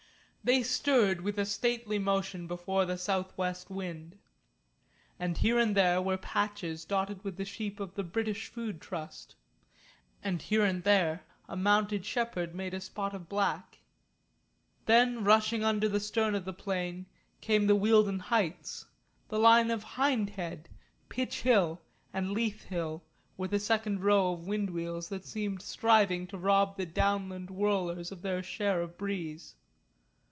They stirred with a stately motion before the south west wind. And here and there were patches dotted with the sheep of the British Food Trust, and here and there a mounted shepherd made a spot of black. Then rushing under the stern of the monoplane came the Wealden Heights, the line of Hindhead, Pitch Hill, and Leith Hill, with a second row of wind wheels that seemed striving to rob the downland whirlers of their share of breeze.